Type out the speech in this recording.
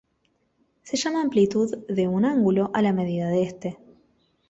Se llama amplitud de un ángulo a la medida de este.